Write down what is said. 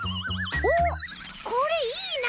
おっこれいいな！